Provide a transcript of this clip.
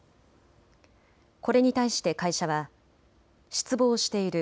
これに対して会社は、失望している。